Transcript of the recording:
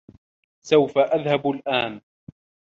سوف أذهب الآن.